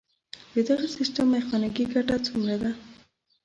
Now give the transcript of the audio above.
د دغه سیستم میخانیکي ګټه څومره ده؟